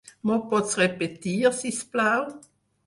M'ho pots repetir, sisplau?